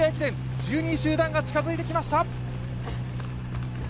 １２位集団が近づいてきました。